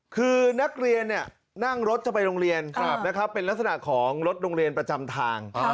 คือนักเรียนนั่งรถจะไปโรงเรียนเป็นลักษณะของรถโรงเรียนประจำทาง